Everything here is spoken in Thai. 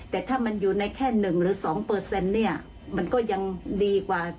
แต่ถ้ามันอยู่ในแค่๑หรือ๒เนี่ยมันก็ยังดีกว่า